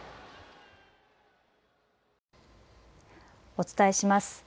お伝えします。